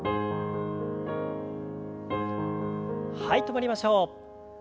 はい止まりましょう。